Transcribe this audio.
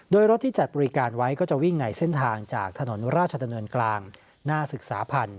โดยรถที่จัดบริการไว้ก็จะวิ่งในเส้นทางจากถนนราชดำเนินกลางหน้าศึกษาพันธ